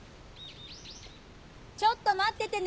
ちょっと待っててね！